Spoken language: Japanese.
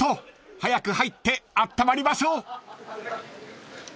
早く入ってあったまりましょう］